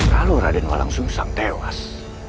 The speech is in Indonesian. kalau raden woyang sungsang tewas